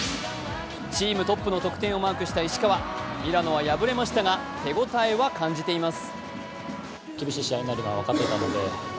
チームトップの得点をマークした石川ミラノは敗れましたが手応えは感じています。